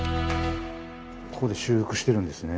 ここで修復してるんですね。